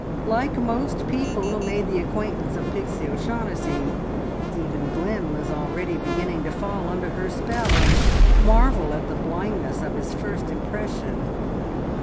Like most people who made the acquaintance of Pixie O'Shaughnessy, Stephen Glynn was already beginning to fall under her spell and marvel at the blindness of his first impression.